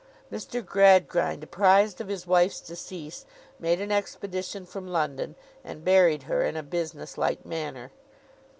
Mr. Gradgrind, apprised of his wife's decease, made an expedition from London, and buried her in a business like manner.